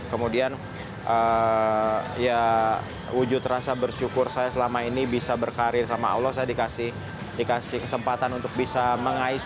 kemudian ya wujud rasa bersyukur saya selama ini bisa berkarir sama allah saya dikasih kesempatan untuk bisa mengais